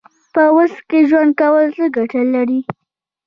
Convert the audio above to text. په اوس کې ژوند کول څه ګټه لري؟